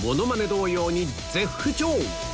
同様に絶不調